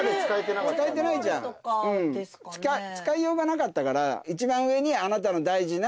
使えてないじゃん使いようがなかったから一番上に。